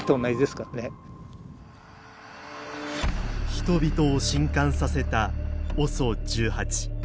人々を震撼させたＯＳＯ１８。